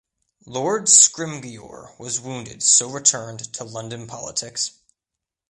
Lord Scrymgeour was wounded so returned to London politics.